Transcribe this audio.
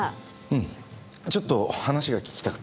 うんちょっと話が聞きたくてね。